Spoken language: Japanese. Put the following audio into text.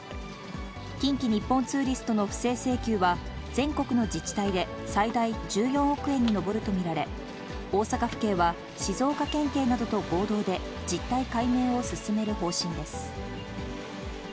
近畿日本ツーリストの不正請求は、全国の自治体で最大１４億円に上ると見られ、大阪府警は静岡県警などと合同で、実態解明を進める方針です。